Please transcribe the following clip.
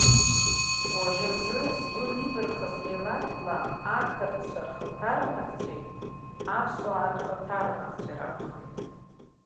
Уажәазы згәы нибархаз милаҭла ақырҭцәа рхаҭарнакцәеи аԥсуаа рхаҭарнакцәеи ракәхеит.